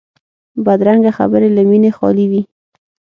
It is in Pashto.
بدرنګه خبرې له مینې خالي وي